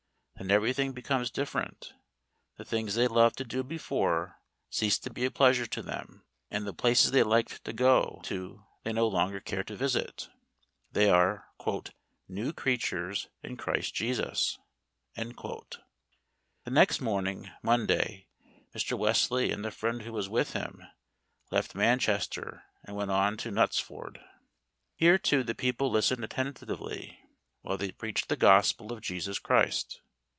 Then everything becomes different; the things they loved to do before cease to be a pleasure to them, and the places they liked to go to they no longer care to visit; they are "new creatures in Christ Jesus." The next morning (Monday) Mr. Wesley, and the friend who was with him, left Manchester and went on to Knutsford. Here, too, the people listened attentively, while they preached the gospel of Jesus Christ.